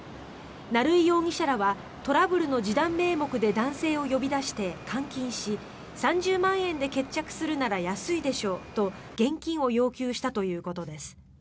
成井容疑者らはトラブルの示談名目で男性を呼び出して監禁し３０万円で決着するなら安いでしょと現金を要求したということです。